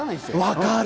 分かる。